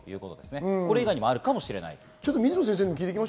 これ以外にもあるかもしれません。